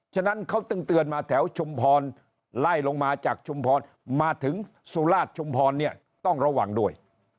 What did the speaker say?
ฉะนั้นเขาต้องเตือนมาแถวชุมพรไล่ลงมาจากชุมพรมาถึงสุราชชุมพรเนี่ยต้องระวังด้วย